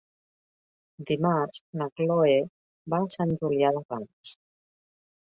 Dimarts na Chloé va a Sant Julià de Ramis.